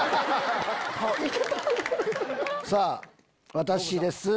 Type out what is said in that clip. さぁ私です。